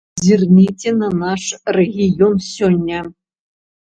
Зірніце на наш рэгіён сёння.